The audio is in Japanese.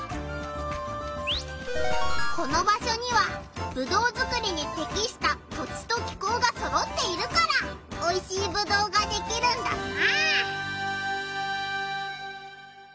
この場所にはぶどうづくりにてきした土地と気候がそろっているからおいしいぶどうができるんだな。